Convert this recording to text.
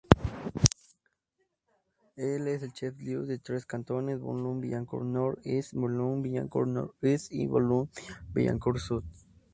Es el "chef-lieu" de tres cantones: Boulogne-Billancourt-Nord-Est, Boulogne-Billancourt-Nord-Ouest y Boulogne-Billancourt-Sud.